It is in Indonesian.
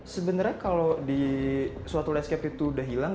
sebenarnya kalau di suatu lescape itu sudah hilang